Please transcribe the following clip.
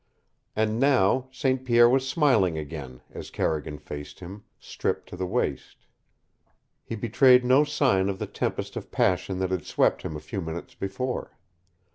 And now St. Pierre was smiling again, as Carrigan faced him, stripped to the waist. He betrayed no sign of the tempest of passion that had swept him a few minutes before.